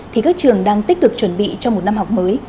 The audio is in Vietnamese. thì các trường đang tích cực chuẩn bị cho một năm học mới